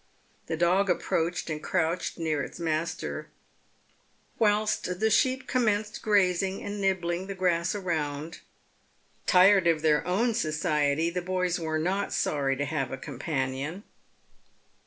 The dog approached and crouched near its master, whilst the sheep commenced grazing and nibbling the grass around. Tired of their own society, the boys were not sorry to have a com panion.